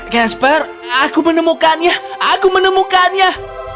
kasper aku menemukannya